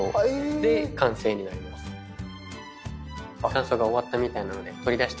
乾燥が終わったみたいなので取り出してみましょう。